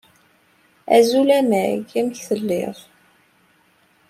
Azul a Meg, amek telliḍ?